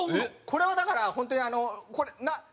これはだから本当にあの。